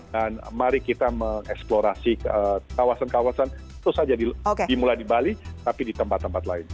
dan mari kita mengeksplorasi kawasan kawasan itu saja dimulai di bali tapi di tempat tempat lain